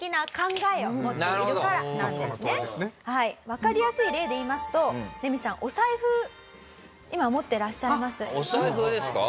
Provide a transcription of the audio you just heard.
わかりやすい例で言いますとレミさんお財布今持ってらっしゃいます？お財布ですか？